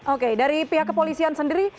oke dari pihak kepolisian sendiri